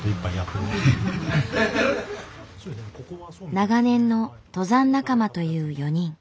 長年の登山仲間という４人。